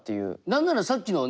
何ならさっきのね。